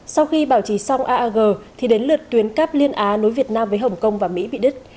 sau khi bảo trì xong aag thì đến lượt tuyến cắp liên á nối việt nam với hồng kông và mỹ bị đứt